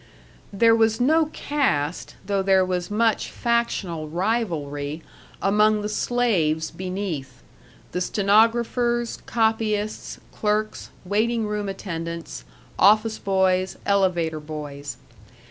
There was no caste, though there was much factional rivalry, among the slaves beneath the stenographers, copyists, clerks, waiting room attendants, office boys, elevator boys.